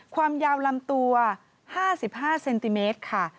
ความยาวลำตัว๕๕เซนติเมตรค่ะ